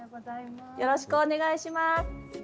よろしくお願いします。